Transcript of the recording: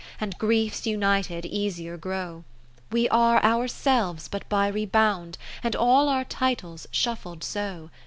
And griefs united easier grow : We are ourselves but by rebound. And all our titles shuffled so.